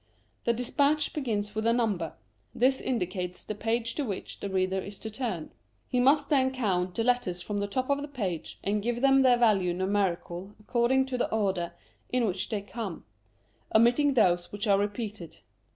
The despatch begins with a number ; this indicates the page to which the reader is to turn. He must then count the letters from the top of the page, and give them their value numerically according to the order in which they come ; omitting those which are repeated.